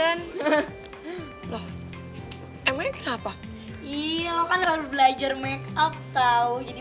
ini kalau kejadian yang berakhir sama vs ter entendeu the